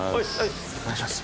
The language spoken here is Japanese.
お願いします。